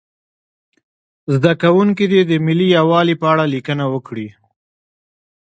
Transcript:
زده کوونکي دې د ملي یووالي په اړه لیکنه وکړي.